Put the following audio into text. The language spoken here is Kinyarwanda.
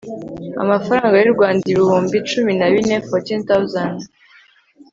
amafaranga y u rwanda ibihumbi cumi na bine fourteen thousand